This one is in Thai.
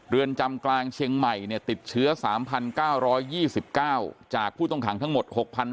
เรือนจำกลางเชียงใหม่ติดเชื้อ๓๙๒๙จากผู้ต้องขังทั้งหมด